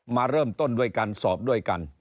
มาเริ่มต้นด้วยการสอบด้วยกัน